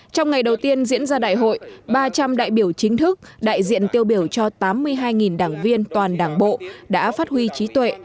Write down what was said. trong ngày đầu tiên diễn ra đại hội ba trăm linh đại biểu chính thức đại diện tiêu biểu cho tám mươi hai đảng viên toàn đảng bộ đã phát huy trí tuệ